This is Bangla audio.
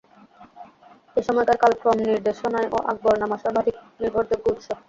এ সময়কার কালক্রম নির্দেশনায়ও আকবরনামা সর্বাধিক নির্ভরযোগ্য উৎস।